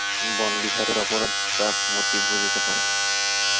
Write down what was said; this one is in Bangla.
বনবিহারীর অপরাধটা মতি বুঝিতে পারে না।